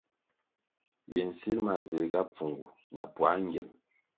Ywe nsil ma zirga pfungu na puā ngyem.